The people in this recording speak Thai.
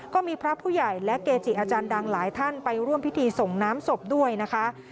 ก็มีพระผู้ใหญ่และเกจิอาจารย์ดังหลายท่านไปร่วมพิธีส่งน้ำศพด้วยนะคะ